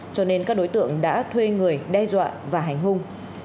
cho nên các đối tượng đã thuê người đe dọa và hành hung